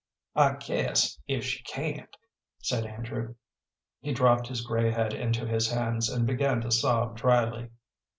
"I guess, if she can't " said Andrew. He dropped his gray head into his hands, and began to sob dryly.